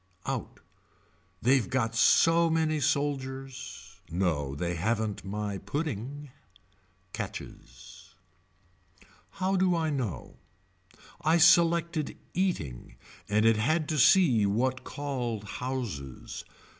Out. They've got so many soldiers. No they haven't my pudding. Catches. How do I know. I selected eating and it had to see what called houses.